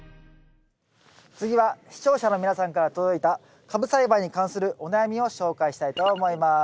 次は視聴者の皆さんから届いたカブ栽培に関するお悩みを紹介したいと思います。